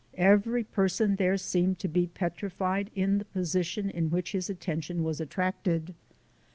Every person there seemed to be petrified in the position in which his attention was attracted.